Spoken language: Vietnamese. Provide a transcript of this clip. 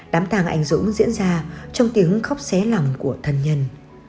đám tàng anh dũng diễn ra trong tiếng khóc xé lòng của thân nhân